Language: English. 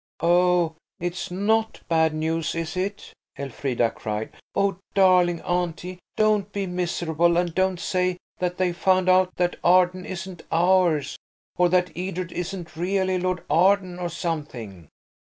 "Oh, it's not bad news, is it?" Elfrida cried. "Oh, darling auntie, don't be miserable, and don't say that they've found out that Arden isn't ours, or that Edred isn't really Lord Arden, or something."